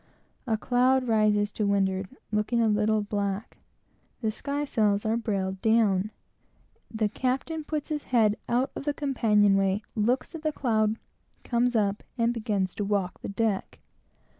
A cloud rises to windward, looking a little black; the sky sails are brailed down; the captain puts his head out of the companion way, looks at the cloud, comes up, and begins to walk the deck.